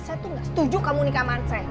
saya tuh gak setuju kamu nikah manse